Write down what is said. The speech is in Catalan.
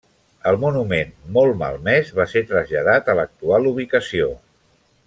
El monument, molt malmès va ser traslladat a l'actual ubicació.